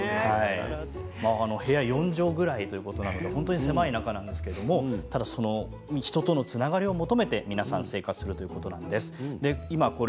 部屋４畳ぐらいということで、本当に狭い中なんですが人とのつながりを求めて皆さん生活するということなんです。